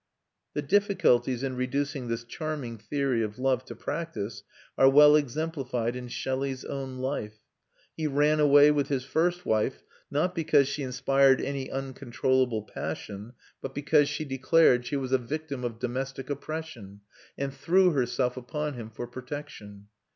The difficulties in reducing this charming theory of love to practice are well exemplified in Shelley's own life. He ran away with his first wife not because she inspired any uncontrollable passion, but because she declared she was a victim of domestic oppression and threw herself upon him for protection.